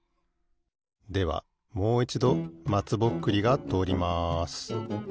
ではもういちどまつぼっくりがとおります。